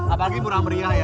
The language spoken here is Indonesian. apalagi murah meriah ya